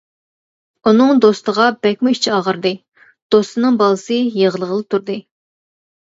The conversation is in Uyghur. ئۇنىڭ دوستىغا بەكىمۇ ئىچى ئاغرىدى، دوستىنىڭ بالىسى يىغلىغىلى تۇردى.